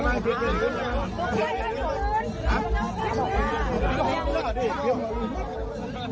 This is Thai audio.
เจ้าหลักไม่ได้เข้า